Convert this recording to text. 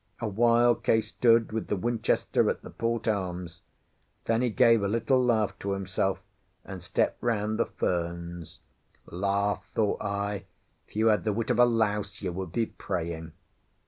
A while Case stood with the Winchester at the port arms; then he gave a little laugh to himself, and stepped round the ferns. "Laugh!" thought I. "If you had the wit of a louse you would be praying!"